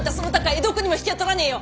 江戸っ子にも引けを取らねえよ。